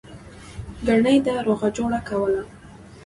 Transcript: گني ده روغه جوړه کوله.